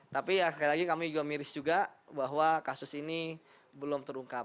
tapi sekali lagi kami juga miris juga bahwa kasus ini belum terungkap